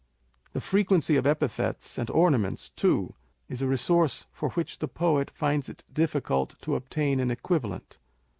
The frequency of epithets and ornaments, too, is a resource for which the poet finds it difficult to obtain an equivalent.